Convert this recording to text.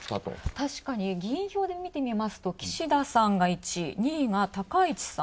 確かに、議員票で見てみますと岸田さんが１位、２位が高市さん。